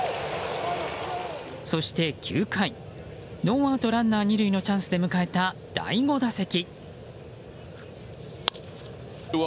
そして９回ノーアウトランナー２塁のチャンスで迎えた第５打席。